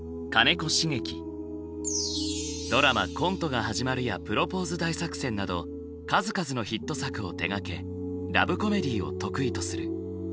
ドラマ「コントが始まる」や「プロポーズ大作戦」など数々のヒット作を手がけラブコメディーを得意とする。